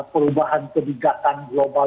perubahan kegigatan global